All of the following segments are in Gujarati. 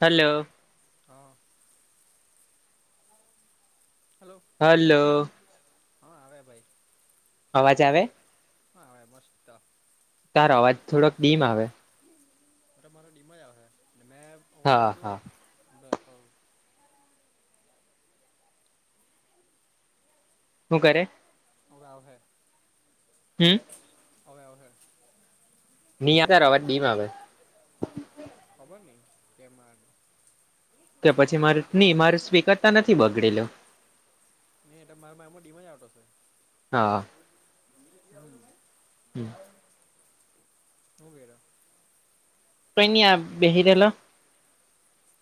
હલો. [inaudible] હલો. હલો. હા આવે ભાઈ. અવાજ આવે? [inaudible] તારો અવાજ થોડોક ડીમ આવે. [unintelligible] હું કરે? હવે આવ હૈ. હમ્મ. હવે આવ હે. [unintelligible] આવે અવાજ ડીમ આવે. [unintelligible] કે પછી મારૂ ની મારું સ્પીકર નથી બગડેલો [unintelligible] મારા માં તો એમજ ડીમ જ આવતો તો છે. હા હા. [unintelligible] [inaudible] [unintelligible] કોઈ ની આ બેહી રેલો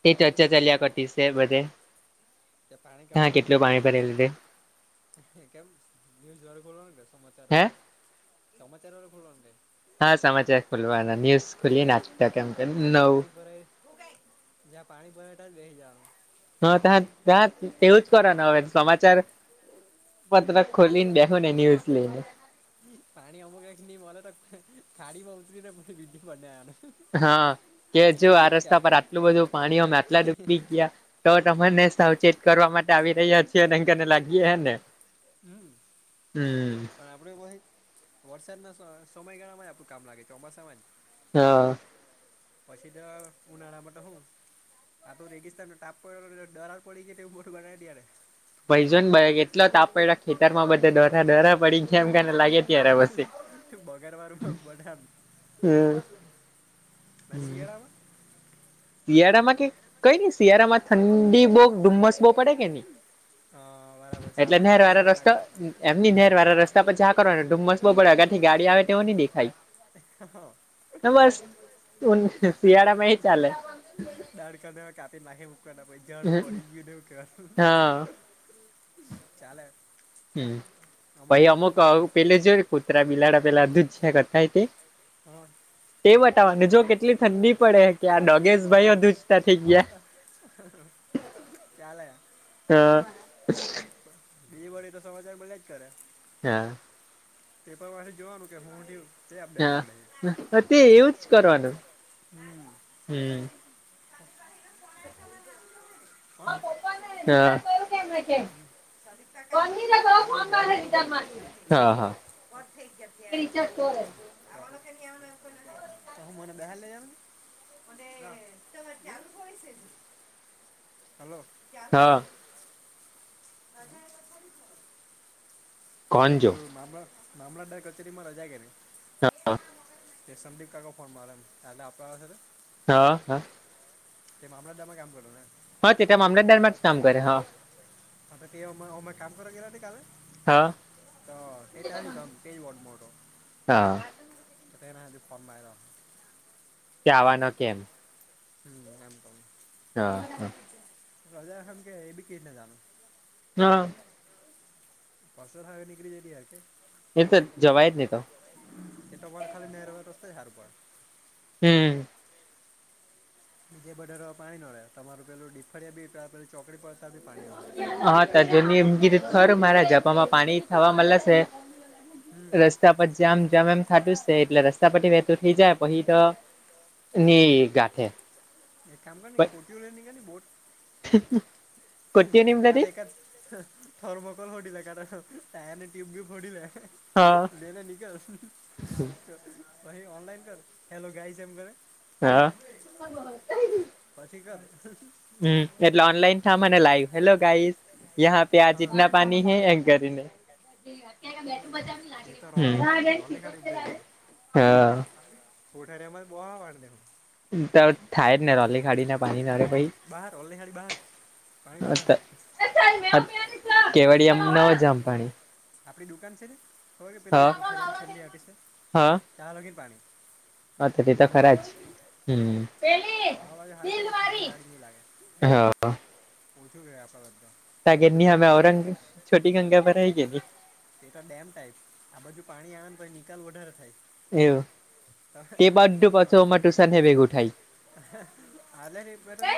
એ ચર્ચા ચાલ્યા કરતી છે બધે. હા કેટલું પાણી ભરેલું તે. કેમ ન્યૂઝ વાળું ખોલવાનું કે સમાચાર વાળું સમાચાર વાળું ખોલવાનું કે હા સમાચાર ખોલવાના ન્યૂઝ ખુલી ના આજ તો કેમ જ્યાં પાણી ભરાય જ્યાં પાણી ભરાય તા જ બેહી જવાનું હા ત્યા ત્યા તેવું જ કરોનું હવે સમાચાર પત્રક ખોલીને દે મને ન્યુઝ નઈ આયા પાણી અમુક ની મલે તો ખાડી માં ઉતરીને પછી બી [unintelligible] હા કેવ છું આ રસ્તા પર આટલું બધું પાણી માં આટલા ડૂબી ગ્યા તો તમને સાવચેત કરવા માટે આવી રહ્યા છીએ [unintelligible] લાગીએ હે ને હમ્મ [unintelligible] ભાઈ વરસાદના સમયગાળામાં જ આપણું કામ લાગે ચોમાસા માં જ. હ. પછી ત ઉનાળા માત હું. આ તો રેગિસ્તાન ના તાપ પર દરાર પડી ગઈ એવું મોટું ગણાય ત્યારે ભાઈ જોને ભઈ કેટલા તાપ પયડા ખેતર માં બધા દરાર દરાર પડી ગયા એમ કેને લાગે [inaudible] બગાડ વાનું બધાં ને શિયાળામાં શિયાળામાં કે કઈ નઈ શિયાળામાં ઠંડી બહ ધુમ્મસ બહુ પડે કે નહી એટલે નેર વારા રસ્તા એમની નહેર વાળ રસ્તા પર જા કરવા ડુમસ બુ પડેગા ગડી આવે તોવો નહી દેખાય [inaudible] ને બસ શિયાળામાં એ ચાલે [inaudible] ડાળકા કાપી નાખે [unintelligible] ચાલે હમ્મ ભાઈ અમુક પેલે જોય કૂતરા બિલાડા પેલા અધું જ જં કરતાાય તે હ. તે બતાવાની જો કેટલી ઠંડી પડે. ત્યાં ડગેશ ભાઈધુ જતા થઈ ગયા. હ. એ વળી તો સમાચાર મળ્યા જ કરે. હ. પેપર વાસેથી જ જોવાનું કે હું થયું. હા તે એવુંજ કરવાનું હમ્મ હ [inaudible] બે મિનિટ ઊભી રેજે કો થઈ ગયા અત્યારે તો હું મને બહાર લ જામ [inaudible] તમારું ચાલુ થોડી છે જે. [inaudible] હેલો ચાલુ છે કે. [inaudible] એ તો ફેર મામલા મામલાદ કચેરીમાં રજાય કેને હા તે સંદીપ કાક ફોન મારે એમલે આપણા વાળા છે તે. હા હ. તે મામલતદારમાં કામ કરતાતા એમ હા તે મામલતદારમાં જ કામ કરે હ. તેમે કામ કર ગેલા કાલે [inaudible] ત તે તાજ અતો તેજ મોટો [inaudible] તેના હાથે ફોન માયરો કે આવાનો કે કેમ હમ્મ એમ કવ [unintelligible] [inaudible] રાજા છે એ બી કેમ જવાન હા [inaudible] કસ્ટર્ડ હાઇવે થી નીકળી જાય ત્યારે કે એ તો જવાય જ નહી તો [inaudible] એ તો પન ખાલી નહેર વાલા રસ્તે જ હારું પડે હમ્મ જે બઢારવા પાણી નડે તમાું પેલું ડિફળિયા બી પેલું ચોકડી પડતા બી પાણી ઓહે હા તજની એમગી ખર મારા જપામાં પાણી થવા મળેશે. [inaudible] રસ્તા પર જામ જામ એમ થાતું છે એટલે રસ્તા પરથી વહેતું થઇ જાય પછી તો ની ગાઠે. એ કામ કરીને કોટી વર ના બોટ. [inaudible] [unintelligible] બેલે નકલહી ઓનલાઈન કર હેલો ગાય છે એમ તો કે. હા. [unintelligible] પછી કર હમ. હમ્મ એટલે ઓનલાઈન થ મને લાઈવ હેલો ગાઈસ પ્યાજ તના પાણી હૈ એકરીને. [unintelligible] કોઠારી્યામાં બહ વાળ દે તો થાય જ ને રોલી ખાડી ના પાણી નારેે પાઈ. બહાર ઓલેહળી બહાર પાણી બહાર. કેવાડિયામાં ન જમ પાણી આપણી દુકાન છે, ને ખબર કે પેલી હુંઠેારીને છેલ્લી આપી છે ચા લગીને પાણી. હ તો તે તો ખરા જ હી. હા હા. બછું ગ વપ તો. તગર ની હમે ઔરંગ છોટી ગંગા ભરાઈ કે નની. તે ડેમ ટાઈપ આ બાજુ પાણી આવે ને તો નિકાલ વધારે થાય. એવ તે બાધું પાછોમાં ટુસાન હે ભેગું થાય. [unintelligible] હધ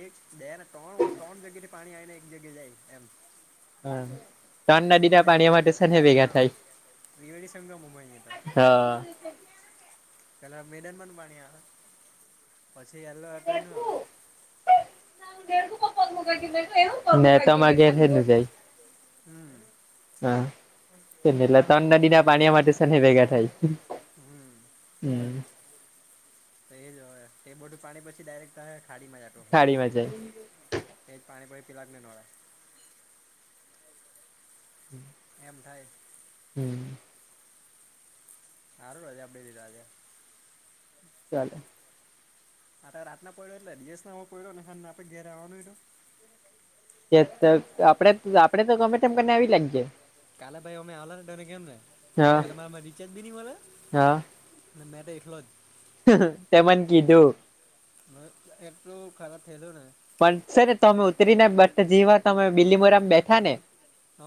એક બે ના ત્રણ ત્રણ જગ્યા થી પાણી આવીને એક જગ્યા જાય એમ. હા ત્રણ નદી ના પાણી માટે શ ને ભેગા થાય. તા. પેલા મેદન માં ન પાણી આવે પછી એલોટોય ન આવે. [unintelligible] હમ્મ. હા એટલે તં નદી ના પાણી માટે શને ભેગા થાય. હમ્મ. હમ્મ. તો એ જ હોય તે બોટું પાણી પછી ડાયરેક્ટ ખાડીમાં જતુ હો. એ પાણી પાણી પીલા ન ના. [inaudible] એમ થાય. હમ્મ. હારૂ રજા બે દીના. ચાલો. [unintelligible] કે આપડે આપડે તો ગમે તેમને આવી લાગી જાય. કાલે ભાઈ અમે આવલા ને તને કેમ રે કાલે મા અ રિચાર્જ બી નહી મળે. ના મેં તો એકલો જ. તેમને કીધું. [unintelligible] પણ છે ને, તમે ઉતરી ને, જીવા તમે બીલીમોરા બેઠા ને.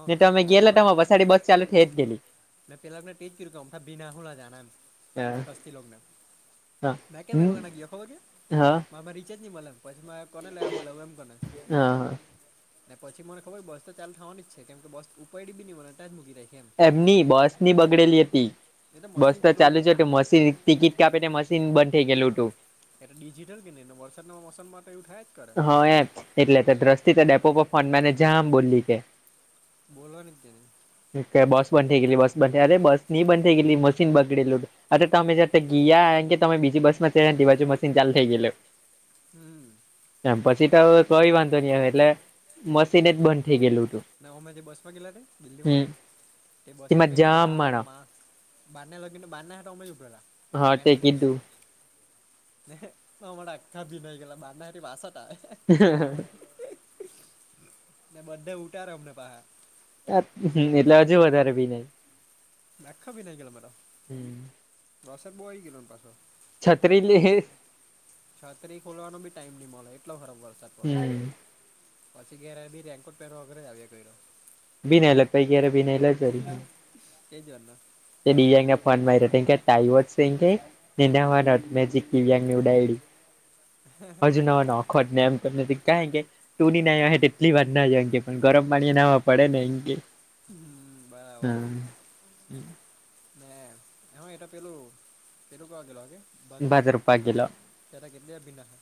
ને તમે ગેલા તમારે વાસાડી, બસ ચાલુ થઈ જ ગેલી. મેં પહેલા ટે ઉા બિના હોણા જના સસ્તી લગના [inaudible] પછીમાં કોને લેવા બોલાવ એમ કોને અને પછી મને ખબર બસ તો ચાલલે થવાની જ છે, કેમ કે બસ ઉપાયડી બી નની બને ત્યા જ મૂકી દાય છે એમ એમની બસની બગડેલી હતી બસ તો ચાલુ છે, તું મશીન ટિકિટ કાપે મશીન બંધ થઈ ગયેલું હતું એટલે ડિજિટલ કે નહી વરસાદના મોસમમાં તો એવ થાય જ હા એમ એટલે દ્રષ્ટિ તો ડેપો પર ફોન મને જામ બોલી કે બોલો ને તેને કે બસ બંધ થે ગીલી બસ બંધ અરે બસ નની બંધ થઈ ગીલી મશીન બગડીે અ તમે જ ગયા કે તમે બીજી બસ માં ચ્યા ી બાજુ મશીન ચાલુ થઈ ગયે હમ એમ પછી તો કઈ વાંધો નહી આવે એટલે મશીન જ બંધ થઈ ગયેલું અને અમે જે બસ માં ગેલા છે બિલ્ડીિંગ વાળા એ બસમાં એટલા મા બારને લગીને બારના હઠમે ઉડેલા બેને ક્રિસ તો અમાા આખા ભીનઈ ગેલા મારનારી વાસ જ આવે હાા એ બધને ઉઊાાર અમને પહા એટલે હજુ વધારે ભી ન મેખા પી ના કેલા મારા બસ બ ગેલોું પાસ છતરી લ હે છાત્રી ખોલવાનો બી ટાઈમ નહી મળે એટલો હરફ વરસાદ પડે પછી ગ બી રેન્કોટ પહેરો વગર જ્યા કોઈરો ભિનાલા પૈ ગ્યારે ભિનાયલા જરી ક જર ના તે દિવ્યાંગને ફોન મારી દિવ્યાંગ ની ઉાયડી હજુ નવા ન અખવા ને એમ ક કે ટૂડી ના તેટલી વાત ના જાય અ પણ ગરમ પાણી એ ના પડે ને અ હમ બરાબર હ હ એટ પેલું પેલુકાવા ગ આગે ભચરૂૂપપ તેટ કેટલી અભિન્ાય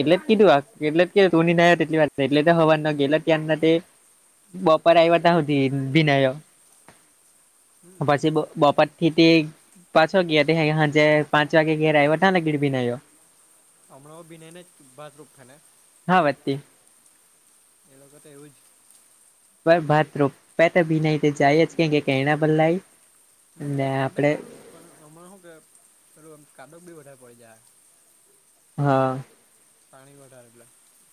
એટલે જ કીધું આ એટલે જ કીધું તુંનીને તેટલી વાત એટલે તો હોવાર ન ગે ત્યાં તે બપોરે આવ્યાતાતી દિન પછી બપર તે પાછ વાગ્યા હતી હાજ પાંચ વાગે ઘેરે આવ્યો તને ગીર ભીન્યો હણાઓ બનયને બાદરૂપ ખને હા વાતી એ લોકો તો એવું જ ભત રોે તો ભી ના જાય જ કે કે કેના ભલાય હ એ ખરડા ખરું પણ હમણા શ કે પેલું કાડો બી વધારે પડી જાય હા પાણી વધારે એટલે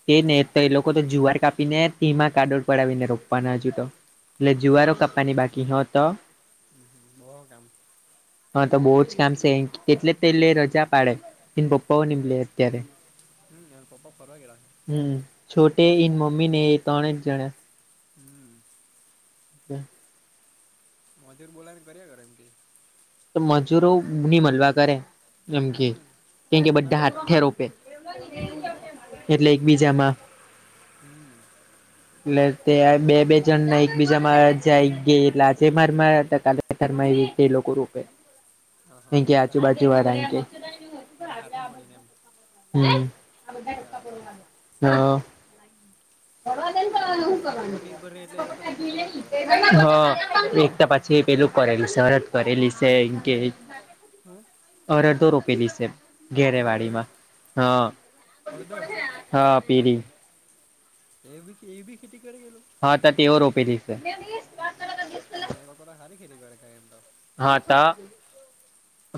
તે ને તો એ લોકો તો જુવાર કાપીને ધીમા કાડોળ પર આવીને રોપવાના હજુ તો લલે જુઆર કાપાની બાકીહત હા તો બહુ જ કામ છે એટલે તો લે રજા પાડે એ પપ્પા ની લે અત્યારે હમ એમ પપ પવા હમ છોટે ઇ મમીને એ તણે જ જણ્યા હમ હ મજૂર બોલાની કર કરે એમથી તો મજૂરોની મળવા કરે એમ કે કેમ કે બધા હાથથે રોપે એટલે એકબીજામાં [inaudible] એટલે તે બે બે જણ ને એકબીજા માં જાયકે લાજે માર મા હતાકા બતરમાઈરી તેલ લોકો રોપે હ હા એટલે બધા હાથે મળીને બધા હાથે મળીને એમ બરાબર હ ભરવા દેને પણ હવે શું કરવાનું [inaudible] હ એકત પછી એપેલું કરેલું છે કરેલી છે કે અરધો રૂપેલી છે ઘેરે વાડીમાં હ હ પીરી એ બી એ બી ખેતી કરે ગેલો હ તો તેઓ રોપી દેશે મ એ કો ખાારી ખેલી કરે કમ તો. હા ત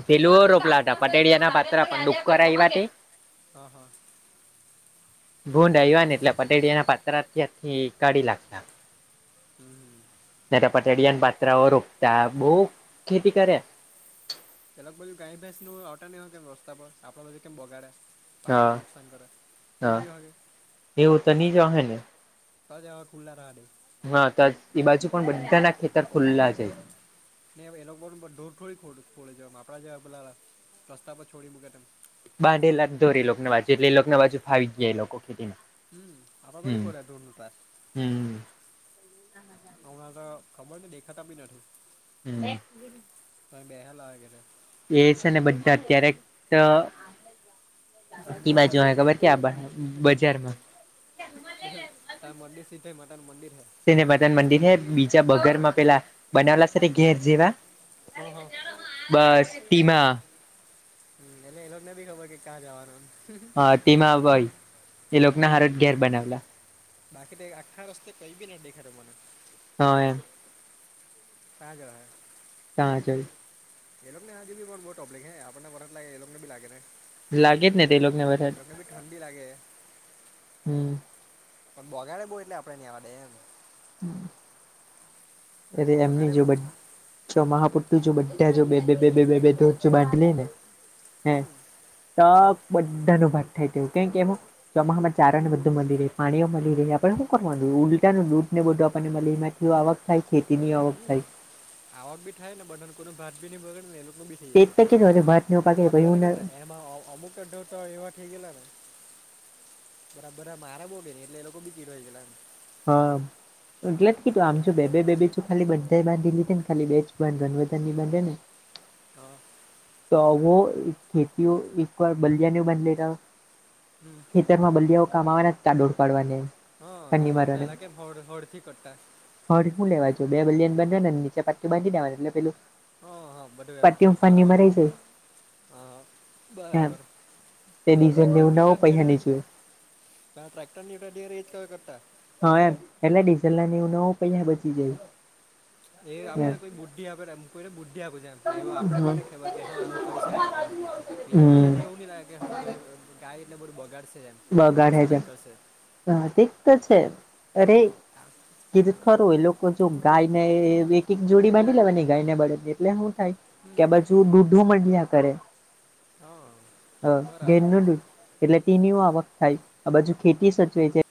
પેલું રોપલા હતા પટેળિયા ના પાત્રા પણ દુક કરાય તે ભૂડ આયવા ને એટલે પટેડીયાના પાત્રા ત્યાંથી કાઢી લાગતા હમ નકર પટેળિયાના પાત્રાઓ રોપતા બહુ ખેતી કરે પેલા બધુ ગાય ભેંસ નું હોટા ન હોય કેમ રસ્તા પર આપ બધી કેમ બગાડે પાકને નુકસાન કરે એવું નઇ વાાગે એવું તો નજ હહે ને તજ હવે ખુલ્લા ના રાડે હા તો એ બાજુ પણ બધાના ખેતર ખુલ્લા છે ને એ લોકોઢોર થોડી ખોડે જવા આપડા જેવા બધા રસ્તા પર છોડી મૂકે તેમ બઢે લાખ દોરી લોગન બાજુ એટલે લગકન બાજુ ફાવી જાય લોકો ખેતી ના હમ આબજી [inaudible] હમણાં તો ખબર નઇ દેખતા બી નથી હમ તમે બે હા લાગરે એ છે ને બધા ક્યારેક ઈ બાજુ આયા ખબર કે આપણ બજારમાં ત [inaudible] મંદિર સીધે માતાનું મંદિર હૈ સ માતા મંદિર ને બીજા બગર માં પેલા બનાવલા સાથે ઘેર જેવા હહ બસ ટીમા એને એલો બી ખબર નય કે ક્યાં જવાના હા તેમાં ભય એ લોકના હાર જ ઘેર બનાવેલા બાકી તો એ આખા રસ્તે કભી ના દેખાતો મને હા એ [inaudible] ત્યાં જય એલોગને આજી પણ બહુ પ્રોબ્લેમ હ આપણને મત લાગે એલોગને ભ લાગે ને એ લોકને ભી ઠંડી લાગે હે પણ બોગાડ બહ એટલે આપણે નય આવાડે એમ [inaudible] એ એમની જો મહાપુરતું જો બધા જો બે બે બે બે બે બે બાંધ લે ને હે તક બધા ન ભાગ થાય તેવું કેમ કે ચોમાસામાં ચારા ને બધું મળી રહે પાણીઓ મળી રહે આપણે શું કરવાનું ઉલટાનું લૂટ ને બધું આપણને મળી એમાં આવ થ ખેતીની આવક થાય આવાક બી થાય ને બંઘાને કોઈનું ભાત ભી ન બગડેને એનું થભી જઈએ તો અત્યારે કેમ ને એમાં અમુક ડર તો એવા થઇ ગેલા ને બરાબ બધા મારા બોગે નને એટલે એ લોકો બીકીટય ગેલા ને હા એટલે જ કીધું આમ જો બે બે બેચ ખાલી બધા બાંધી લીધે ને ખાલી બેંજ બાંધવા ની બઘા ની ભાગે ને હા. તો ખેડૂતો એક વાર બળજબરીનો ભોગ બન્યા હતા. ખેતરમાં બલીયાઓ કામે આવવાના કાદવ પાડવા જાય... હા, પલુ પહેલા કેમ હળ હળથી કરતા. હળ હું લેવા જવુ બે બલીયાને બાંધવાના નીચે પટી બાંધી દેવાનુ નીચે પેલ. હા, બધું એમ પહેલા પાડતા. હા, બરાબર. પહેલા તકાનીતા ત્યારે [unintelligible] કે અત્યારે ટ્રેક્ટ કરતા. હા, એટલે ડીઝલનો ખર્ચ પણ બચે છે અને સમય પણ બચી જાય છે. એ આપણને કોઈ બુદ્ધિ આપે એમ લાગે છે. કોઈને બુદ્ધિ આપવી છે એમ નહીં, એવા આપણે પન કેવાય આ કરી શકીએ. બીજાને એવું ની લાગે કે આ ગાય એટલુ બગાડ શા એમ. બગાડ્યા વગર. હા, ઠીક તો છે. અરે. ખરું. એ લોકો ગાય અને બળદની એક-એક જોડી બાંધી લેતા. થાય કે બાજુએ દૂધ પણ મળ્યા કરે. હા કેન નુ દુધ. એટલે તેની આવક પણ થાય અને આ બાજુ ખેતી સચવે છે.